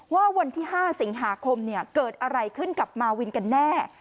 วันที่๕สิงหาคมเกิดอะไรขึ้นกับมาวินกันแน่